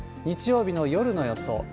日曜日の夜の予想。